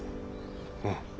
うん。